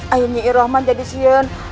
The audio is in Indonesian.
ayunnya irrohman jadi sion